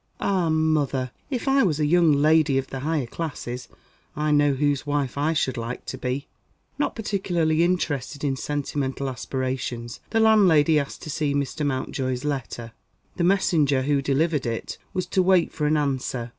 "Ah, mother, if I was a young lady of the higher classes, I know whose wife I should like to be!" Not particularly interested in sentimental aspirations, the landlady asked to see Mr. Mountjoy's letter. The messenger who delivered it was to wait for an answer.